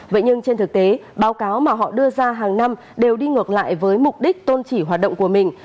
vậy nhưng trên thực tế báo cáo mà họ đưa ra hàng năm đều đi ngược lại với mục đích tôn chỉ hoạt động của mình